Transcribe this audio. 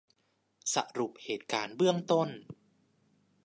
สรุปเหตุการณ์เบื้องต้น